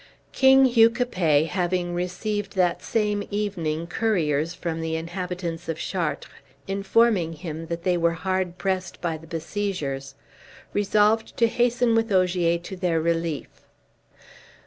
King Hugh Capet, having received that same evening couriers from the inhabitants of Chartres, informing him that they were hard pressed by the besiegers, resolved to hasten with Ogier to their relief.